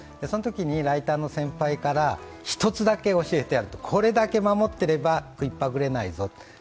そのときにライターの先輩から１つだけ教えてやると、これだけ守ってれば食いっぱぐれないぞと。